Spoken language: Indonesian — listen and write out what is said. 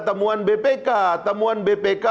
temuan bpk temuan bpk